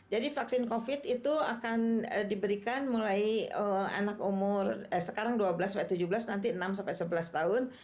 jadi vaksin covid sembilan belas itu akan diberikan mulai anak umur sekarang dua belas tujuh belas nanti enam sebelas tahun